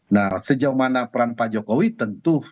nah sejauh mana peran pak jokowi tentu